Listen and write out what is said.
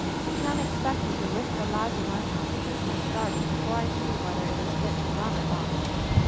"You can't expect me to risk the lives of my passengers by starting before I see whether it is fit to run or not."